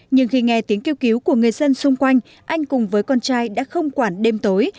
nhưng khi nghe tiếng kêu cứu của người dân xung quanh anh cùng với con trai đã không quản đêm tối